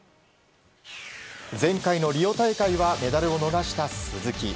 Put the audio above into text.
前回のリオ大会はメダルを逃した鈴木。